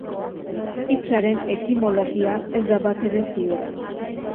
Hitzaren etimologia, ez da batere ziurra.